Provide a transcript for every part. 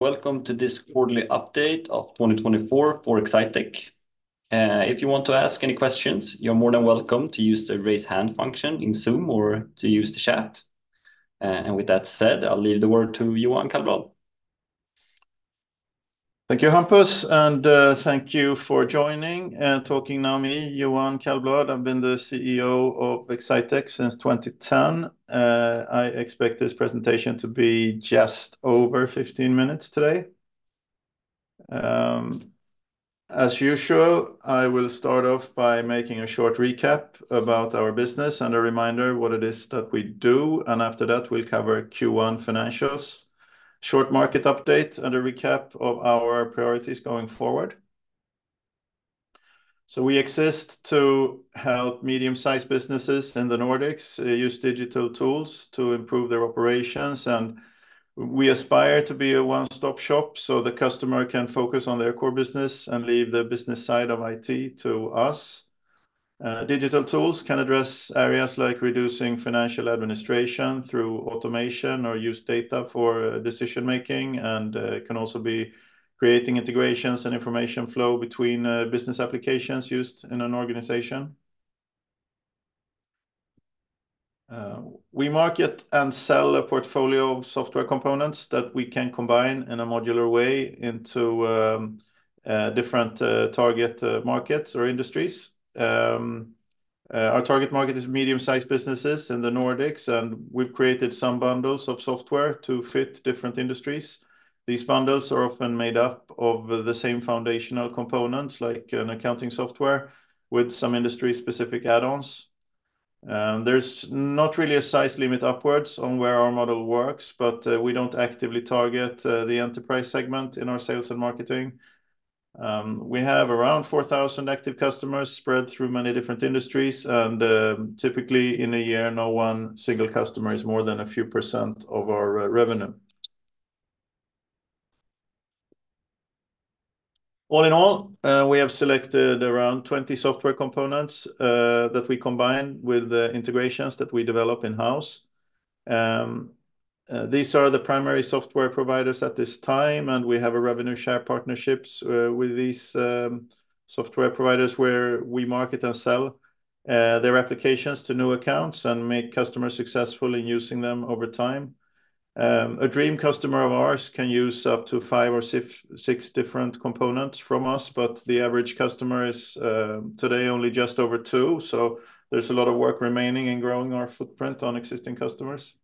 Welcome to this quarterly update of 2024 for Exsitec. If you want to ask any questions, you're more than welcome to use the raise hand function in Zoom or to use the chat. With that said, I'll leave the word to Johan Källblad. Thank you, Hampus, and thank you for joining and talking now with me, Johan Källblad. I've been the CEO of Exsitec since 2010. I expect this presentation to be just over 15 minutes today. As usual, I will start off by making a short recap about our business and a reminder of what it is that we do, and after that we'll cover Q1 financials, short market update, and a recap of our priorities going forward. We exist to help medium-sized businesses in the Nordics use digital tools to improve their operations, and we aspire to be a one-stop shop so the customer can focus on their core business and leave the business side of IT to us. Digital tools can address areas like reducing financial administration through automation or use data for decision-making, and can also be creating integrations and information flow between business applications used in an organization. We market and sell a portfolio of software components that we can combine in a modular way into different target markets or industries. Our target market is medium-sized businesses in the Nordics, and we've created some bundles of software to fit different industries. These bundles are often made up of the same foundational components like an accounting software with some industry-specific add-ons. There's not really a size limit upwards on where our model works, but we don't actively target the enterprise segment in our sales and marketing. We have around 4,000 active customers spread through many different industries, and typically in a year no one single customer is more than a few% of our revenue. All in all, we have selected around 20 software components that we combine with the integrations that we develop in-house. These are the primary software providers at this time, and we have revenue share partnerships with these software providers where we market and sell their applications to new accounts and make customers successful in using them over time. A dream customer of ours can use up to five or six different components from us, but the average customer is today only just over two, so there's a lot of work remaining in growing our footprint on existing customers.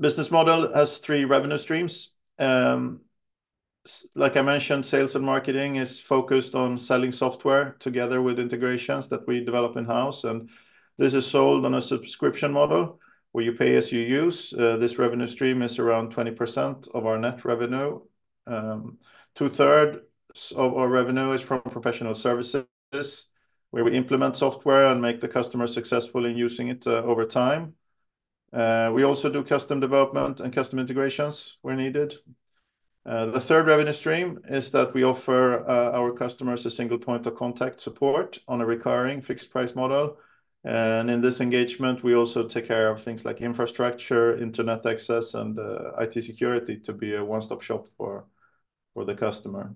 The business model has three revenue streams. Like I mentioned, sales and marketing is focused on selling software together with integrations that we develop in-house, and this is sold on a subscription model where you pay as you use. This revenue stream is around 20% of our net revenue. 2/3 of our revenue is from professional services where we implement software and make the customer successful in using it over time. We also do custom development and custom integrations where needed. The third revenue stream is that we offer our customers a single point of contact support on a recurring fixed price model. In this engagement, we also take care of things like infrastructure, internet access, and IT security to be a one-stop shop for the customer.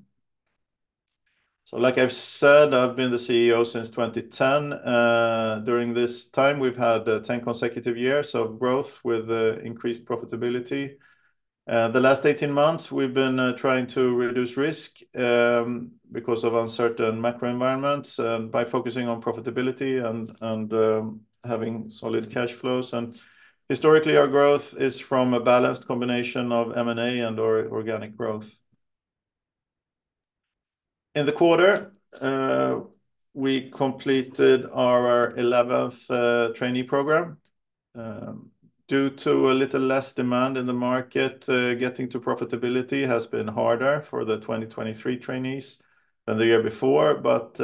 So like I've said, I've been the CEO since 2010. During this time, we've had 10 consecutive years of growth with increased profitability. The last 18 months, we've been trying to reduce risk because of uncertain macro environments and by focusing on profitability and having solid cash flows. Historically, our growth is from a balanced combination of M&A and/or organic growth. In the quarter, we completed our 11th trainee program. Due to a little less demand in the market, getting to profitability has been harder for the 2023 trainees than the year before, but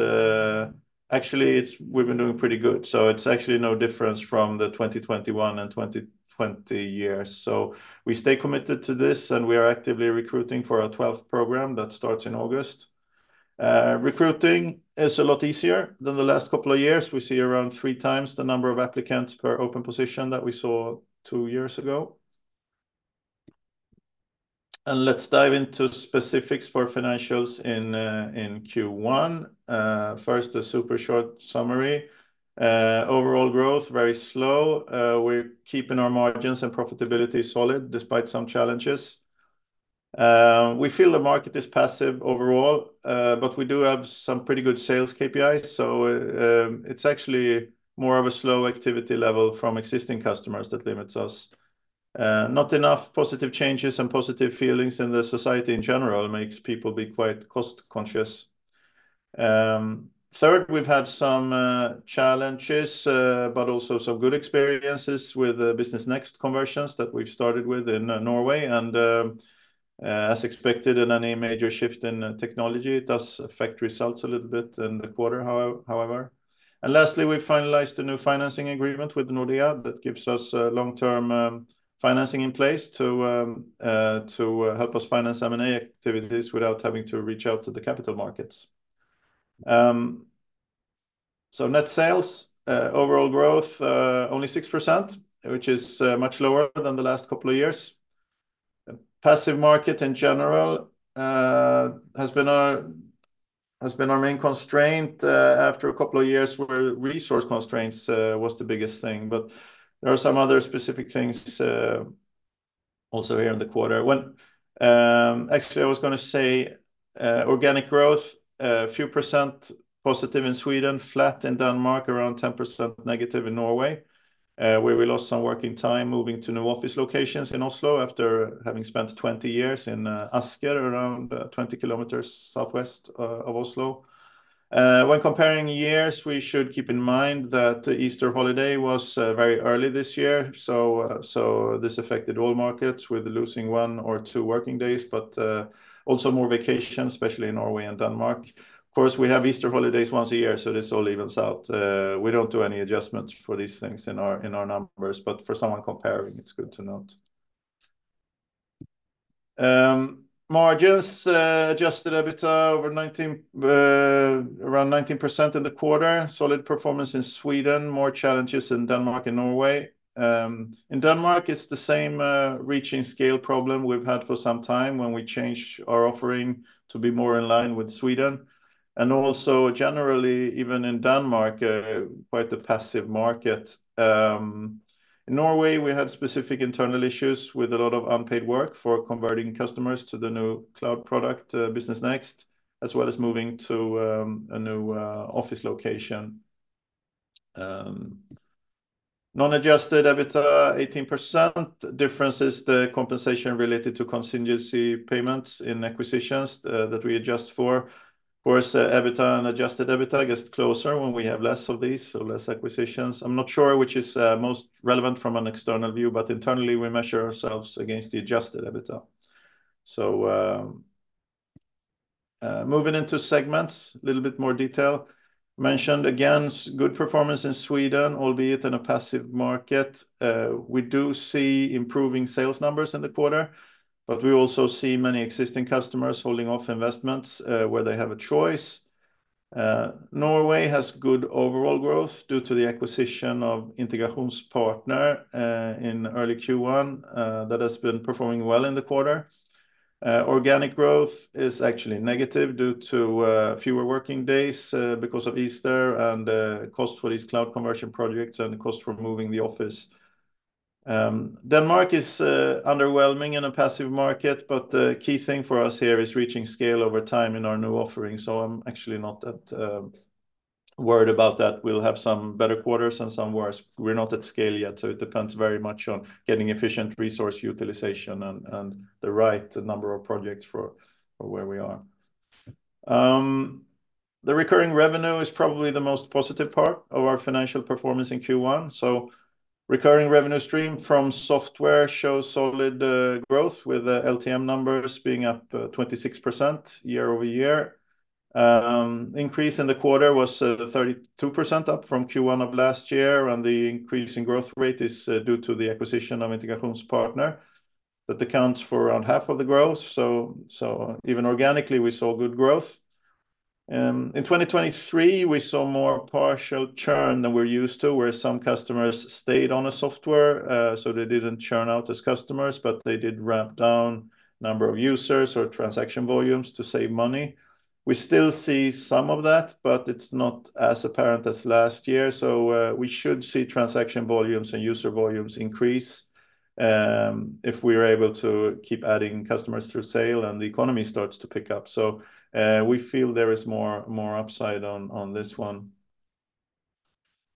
actually, we've been doing pretty good. So it's actually no difference from the 2021 and 2020 years. So we stay committed to this, and we are actively recruiting for our 12th program that starts in August. Recruiting is a lot easier than the last couple of years. We see around three times the number of applicants per open position that we saw two years ago. And let's dive into specifics for financials in Q1. First, a super short summary. Overall growth, very slow. We're keeping our margins and profitability solid despite some challenges. We feel the market is passive overall, but we do have some pretty good sales KPIs. So it's actually more of a slow activity level from existing customers that limits us. Not enough positive changes and positive feelings in the society in general makes people be quite cost-conscious. Third, we've had some challenges but also some good experiences with Business NXT conversions that we've started with in Norway. As expected in any major shift in technology, it does affect results a little bit in the quarter, however. Lastly, we've finalized a new financing agreement with Nordea that gives us long-term financing in place to help us finance M&A activities without having to reach out to the capital markets. Net sales, overall growth, only 6%, which is much lower than the last couple of years. Passive market in general has been our main constraint after a couple of years where resource constraints were the biggest thing. But there are some other specific things also here in the quarter. Actually, I was going to say organic growth, a few percent positive in Sweden, flat in Denmark, around 10% negative in Norway, where we lost some working time moving to new office locations in Oslo after having spent 20 years in Asker, around 20 kilometers southwest of Oslo. When comparing years, we should keep in mind that the Easter holiday was very early this year, so this affected all markets with losing one or two working days, but also more vacation, especially in Norway and Denmark. Of course, we have Easter holidays once a year, so this all evens out. We don't do any adjustments for these things in our numbers, but for someone comparing, it's good to note. Margins, Adjusted EBITDA over around 19% in the quarter, solid performance in Sweden, more challenges in Denmark and Norway. In Denmark, it's the same reaching scale problem we've had for some time when we changed our offering to be more in line with Sweden. And also generally, even in Denmark, quite a passive market. In Norway, we had specific internal issues with a lot of unpaid work for converting customers to the new cloud product, Business NXT, as well as moving to a new office location. Non-adjusted EBITDA, 18%. Difference is the compensation related to contingency payments in acquisitions that we adjust for. Of course, EBITDA and Adjusted EBITDA get closer when we have less of these, so less acquisitions. I'm not sure which is most relevant from an external view, but internally we measure ourselves against the Adjusted EBITDA. So moving into segments, a little bit more detail. Mentioned again, good performance in Sweden, albeit in a passive market. We do see improving sales numbers in the quarter, but we also see many existing customers holding off investments where they have a choice. Norway has good overall growth due to the acquisition of IntegrasjonsPartner in early Q1 that has been performing well in the quarter. Organic growth is actually negative due to fewer working days because of Easter and cost for these cloud conversion projects and cost for moving the office. Denmark is underwhelming in a passive market, but the key thing for us here is reaching scale over time in our new offering. I'm actually not that worried about that. We'll have some better quarters and some worse. We're not at scale yet, so it depends very much on getting efficient resource utilization and the right number of projects for where we are. The recurring revenue is probably the most positive part of our financial performance in Q1. So recurring revenue stream from software shows solid growth with LTM numbers being up 26% year-over-year. Increase in the quarter was 32% up from Q1 of last year, and the increase in growth rate is due to the acquisition of IntegrasjonsPartner that accounts for around half of the growth. So even organically, we saw good growth. In 2023, we saw more partial churn than we're used to, where some customers stayed on a software, so they didn't churn out as customers, but they did ramp down the number of users or transaction volumes to save money. We still see some of that, but it's not as apparent as last year. So we should see transaction volumes and user volumes increase if we're able to keep adding customers through sales and the economy starts to pick up. So we feel there is more upside on this one.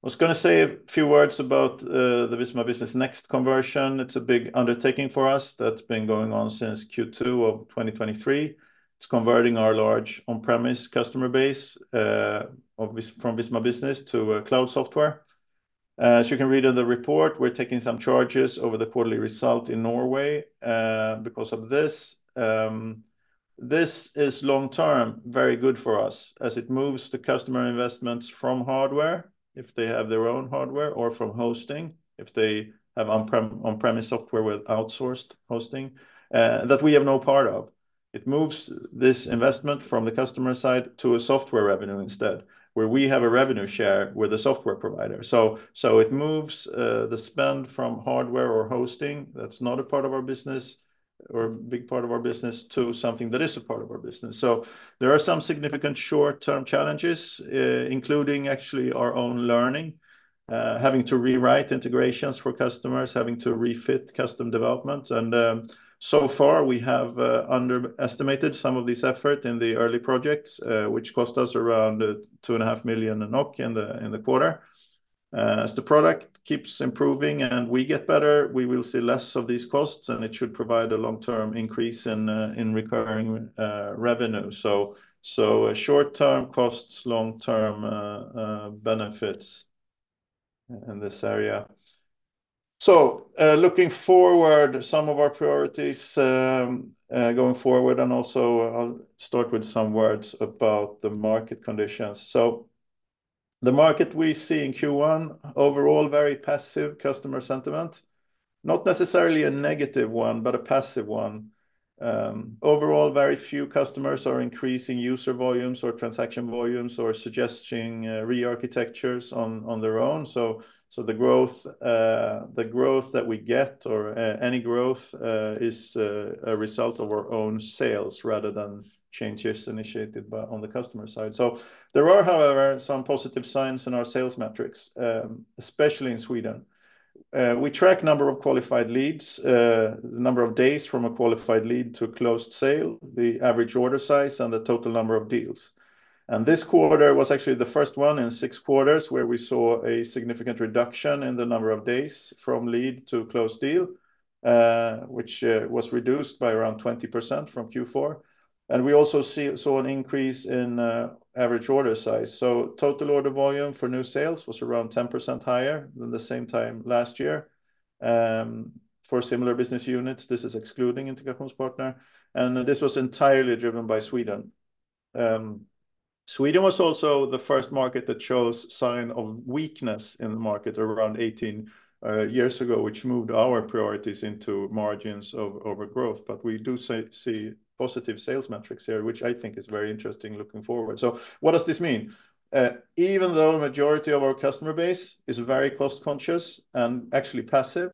I was going to say a few words about the Visma Business NXT conversion. It's a big undertaking for us that's been going on since Q2 of 2023. It's converting our large on-premise customer base from Visma Business to cloud software. As you can read in the report, we're taking some charges over the quarterly result in Norway because of this. This is long-term, very good for us as it moves to customer investments from hardware if they have their own hardware or from hosting if they have on-premise software with outsourced hosting that we have no part of. It moves this investment from the customer side to a software revenue instead where we have a revenue share with the software provider. So it moves the spend from hardware or hosting that's not a part of our business or a big part of our business to something that is a part of our business. So there are some significant short-term challenges, including actually our own learning, having to rewrite integrations for customers, having to refit custom development. And so far, we have underestimated some of these efforts in the early projects, which cost us around 2.5 million in the quarter. As the product keeps improving and we get better, we will see less of these costs, and it should provide a long-term increase in recurring revenue. So short-term costs, long-term benefits in this area. So, looking forward, some of our priorities going forward, and also I'll start with some words about the market conditions. So, the market we see in Q1 overall very passive customer sentiment. Not necessarily a negative one, but a passive one. Overall, very few customers are increasing user volumes or transaction volumes or suggesting rearchitectures on their own. So, the growth that we get or any growth is a result of our own sales rather than changes initiated on the customer side. So, there are, however, some positive signs in our sales metrics, especially in Sweden. We track the number of qualified leads, the number of days from a qualified lead to a closed sale, the average order size, and the total number of deals. This quarter was actually the first one in six quarters where we saw a significant reduction in the number of days from lead to closed deal, which was reduced by around 20% from Q4. We also saw an increase in average order size. Total order volume for new sales was around 10% higher than the same time last year. For similar business units, this is excluding IntegrasjonsPartner. This was entirely driven by Sweden. Sweden was also the first market that showed a sign of weakness in the market around 18 years ago, which moved our priorities into margins of overgrowth. We do see positive sales metrics here, which I think is very interesting looking forward. What does this mean? Even though the majority of our customer base is very cost-conscious and actually passive,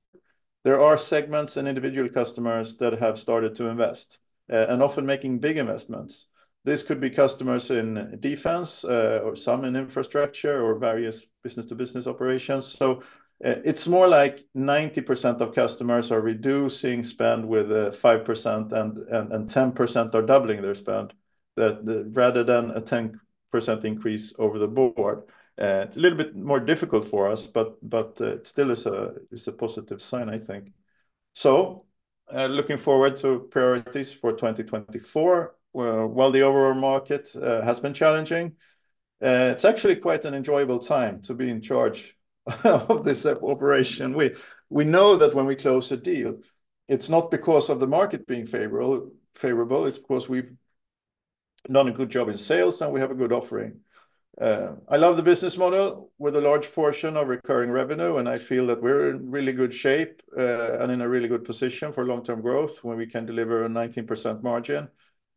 there are segments and individual customers that have started to invest and often making big investments. This could be customers in defense or some in infrastructure or various business-to-business operations. So it's more like 90% of customers are reducing spend with 5% and 10% are doubling their spend rather than a 10% increase over the board. It's a little bit more difficult for us, but it still is a positive sign, I think. So looking forward to priorities for 2024. While the overall market has been challenging, it's actually quite an enjoyable time to be in charge of this operation. We know that when we close a deal, it's not because of the market being favorable. It's because we've done a good job in sales and we have a good offering. I love the business model with a large portion of recurring revenue, and I feel that we're in really good shape and in a really good position for long-term growth when we can deliver a 19% margin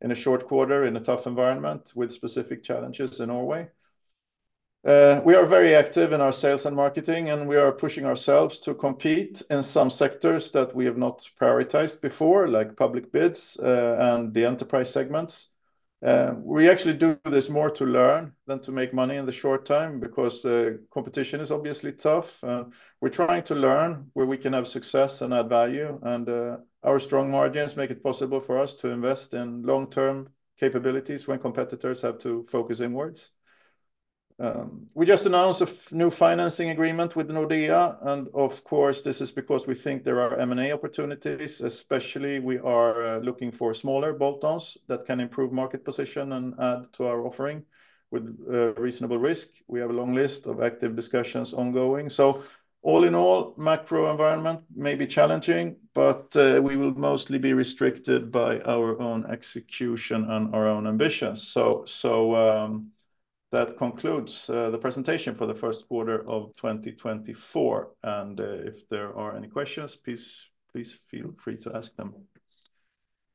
in a short quarter in a tough environment with specific challenges in Norway. We are very active in our sales and marketing, and we are pushing ourselves to compete in some sectors that we have not prioritized before, like public bids and the enterprise segments. We actually do this more to learn than to make money in the short time because competition is obviously tough. We're trying to learn where we can have success and add value. And our strong margins make it possible for us to invest in long-term capabilities when competitors have to focus inwards. We just announced a new financing agreement with Nordea. Of course, this is because we think there are M&A opportunities, especially we are looking for smaller bolt-ons that can improve market position and add to our offering with reasonable risk. We have a long list of active discussions ongoing. So all in all, the macro environment may be challenging, but we will mostly be restricted by our own execution and our own ambitions. So that concludes the presentation for the first quarter of 2024. And if there are any questions, please feel free to ask them.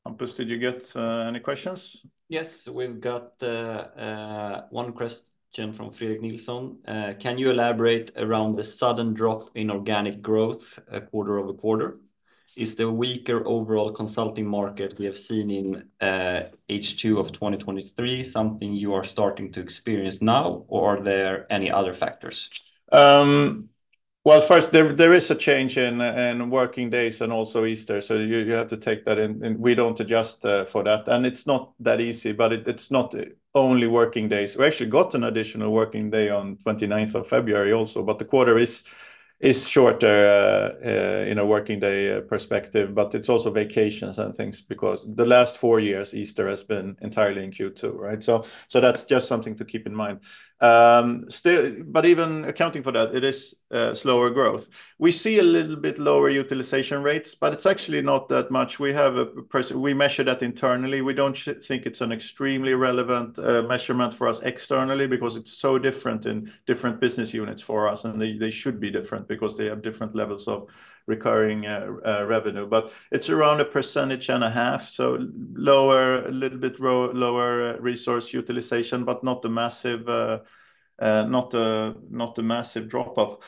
Hampus, did you get any questions? Yes, we've got one question from Fredrik Nilsson. Can you elaborate around the sudden drop in organic growth quarter-over-quarter? Is the weaker overall consulting market we have seen in H2 of 2023 something you are starting to experience now, or are there any other factors? Well, first, there is a change in working days and also Easter. So you have to take that in. We don't adjust for that. It's not that easy, but it's not only working days. We actually got an additional working day on 29th of February also, but the quarter is shorter in a working day perspective. It's also vacations and things because the last four years, Easter has been entirely in Q2, right? So that's just something to keep in mind. Even accounting for that, it is slower growth. We see a little bit lower utilization rates, but it's actually not that much. We measure that internally. We don't think it's an extremely relevant measurement for us externally because it's so different in different business units for us. They should be different because they have different levels of recurring revenue. But it's around 1.5%. So lower, a little bit lower resource utilization, but not the massive drop-off.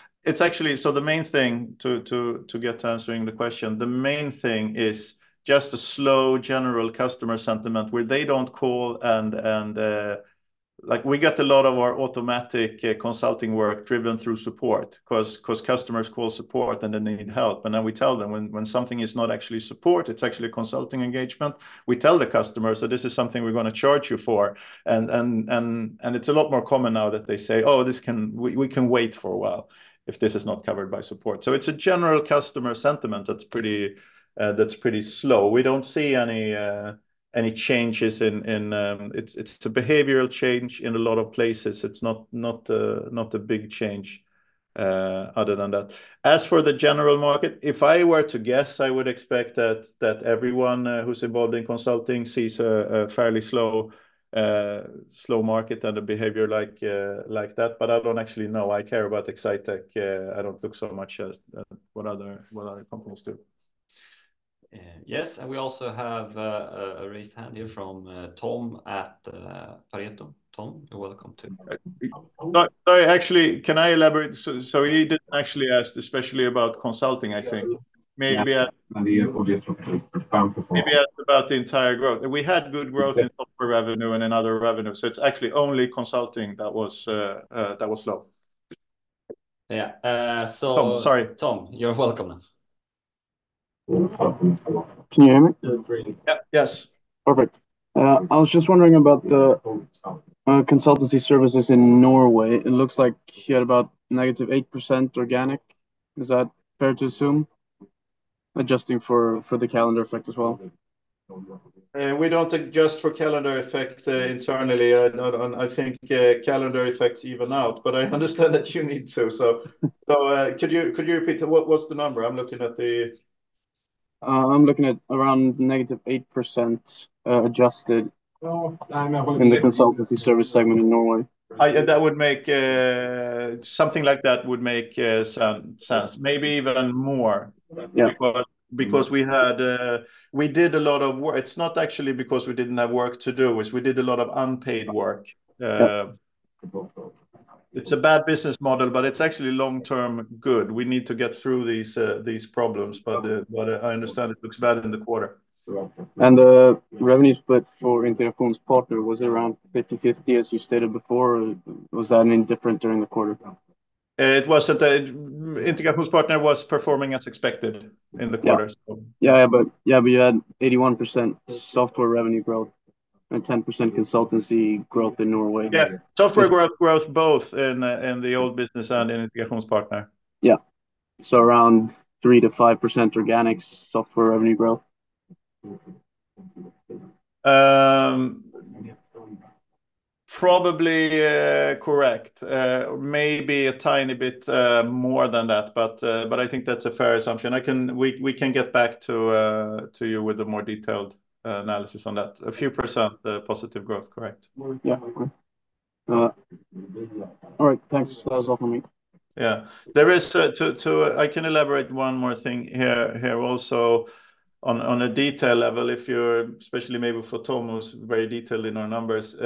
So the main thing to get to answering the question, the main thing is just a slow general customer sentiment where they don't call and we get a lot of our automatic consulting work driven through support because customers call support and they need help. And then we tell them when something is not actually support, it's actually a consulting engagement. We tell the customers, "So this is something we're going to charge you for." And it's a lot more common now that they say, "Oh, we can wait for a while if this is not covered by support." So it's a general customer sentiment that's pretty slow. We don't see any changes. It's a behavioral change in a lot of places. It's not a big change other than that. As for the general market, if I were to guess, I would expect that everyone who's involved in consulting sees a fairly slow market and a behavior like that. But I don't actually know. I care about Exsitec. I don't look so much at what other companies do. Yes, and we also have a raised hand here from Tom at Pareto. Tom, you're welcome too. Sorry, actually, can I elaborate? So he didn't actually ask especially about consulting, I think. Maybe ask about the entire growth. We had good growth in software revenue and in other revenue. So it's actually only consulting that was slow. Yeah. Tom, sorry. Tom, you're welcome now. Can you hear me? Yes. Perfect. I was just wondering about the consultancy services in Norway. It looks like you had about -8% organic. Is that fair to assume, adjusting for the calendar effect as well? We don't adjust for calendar effect internally. I think calendar effect's even out, but I understand that you need to. So could you repeat? What's the number? I'm looking at around -8% adjusted in the consultancy service segment in Norway. Something like that would make sense. Maybe even more because we did a lot of work. It's not actually because we didn't have work to do. We did a lot of unpaid work. It's a bad business model, but it's actually long-term good. We need to get through these problems, but I understand it looks bad in the quarter. And the revenue split for IntegrasjonsPartner, was it around 50/50 as you stated before, or was that any different during the quarter? It was that IntegrasjonsPartner was performing as expected in the quarter. Yeah, yeah, but yeah, but you had 81% software revenue growth and 10% consultancy growth in Norway. Yeah, software growth both in the old business and in IntegrasjonsPartner. Yeah. So around 3%-5% organic software revenue growth. Probably correct. Maybe a tiny bit more than that, but I think that's a fair assumption. We can get back to you with a more detailed analysis on that. A few percent positive growth, correct? Yeah. All right. Thanks. That was all from me. Yeah. I can elaborate one more thing here also on a detail level. Especially maybe for Tom, who's very detailed in our numbers.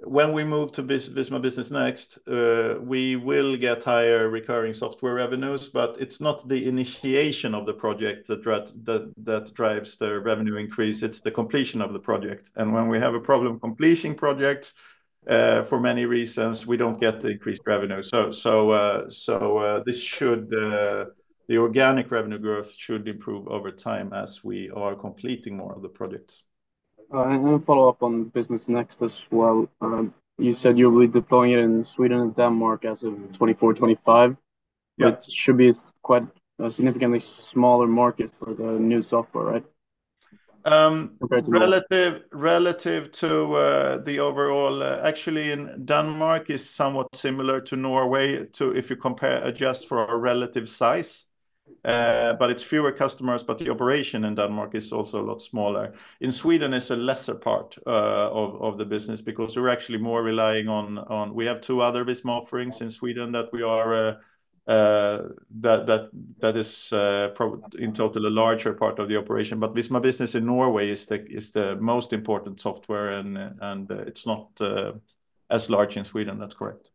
When we move to Visma Business NXT, we will get higher recurring software revenues, but it's not the initiation of the project that drives the revenue increase. It's the completion of the project. When we have a problem completing projects for many reasons, we don't get the increased revenue. The organic revenue growth should improve over time as we are completing more of the projects. I'm going to follow up on Business NXT as well. You said you'll be deploying it in Sweden and Denmark as of 2024/2025. It should be quite a significantly smaller market for the new software, right? Relative to the overall, actually, in Denmark is somewhat similar to Norway if you compare, adjust for a relative size. But it's fewer customers, but the operation in Denmark is also a lot smaller. In Sweden is a lesser part of the business because we're actually more relying on we have two other Visma offerings in Sweden that we are that is in total a larger part of the operation. But Visma Business in Norway is the most important software, and it's not as large in Sweden. That's correct.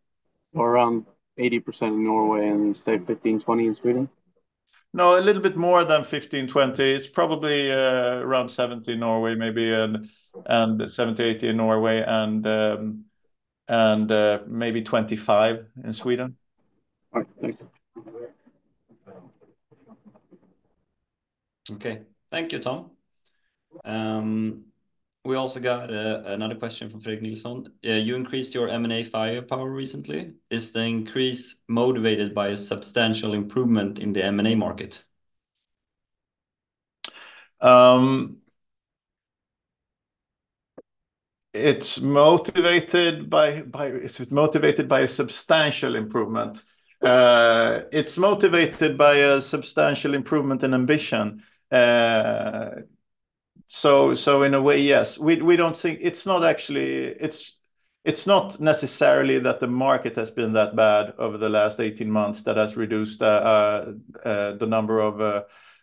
So around 80% in Norway and, say, 15%-20% in Sweden? No, a little bit more than 15%-20%. It's probably around 70% in Norway, maybe, and 70%-80% in Norway, and maybe 25% in Sweden. All right. Thank you. Okay. Thank you, Tom. We also got another question from Fredrik Nilsson. You increased your M&A firepower recently. Is the increase motivated by a substantial improvement in the M&A market? It's motivated by is it motivated by a substantial improvement? It's motivated by a substantial improvement in ambition. So in a way, yes. It's not necessarily that the market has been that bad over the last 18 months that has reduced the number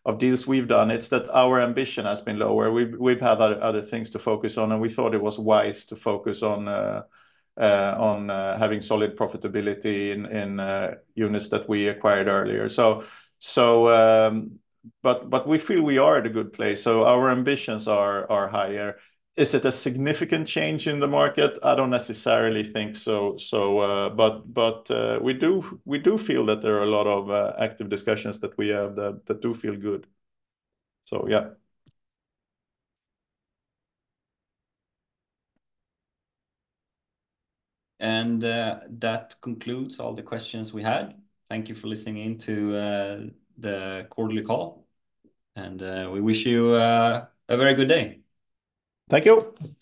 of deals we've done. It's that our ambition has been lower. We've had other things to focus on, and we thought it was wise to focus on having solid profitability in units that we acquired earlier. But we feel we are at a good place. So our ambitions are higher. Is it a significant change in the market? I don't necessarily think so. But we do feel that there are a lot of active discussions that we have that do feel good. So yeah. And that concludes all the questions we had. Thank you for listening into the quarterly call. And we wish you a very good day. Thank you.